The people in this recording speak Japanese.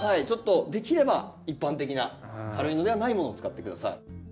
ちょっとできれば一般的な軽いのではないものを使って下さい。